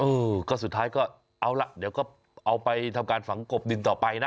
เออก็สุดท้ายก็เอาล่ะเดี๋ยวก็เอาไปทำการฝังกบดินต่อไปนะ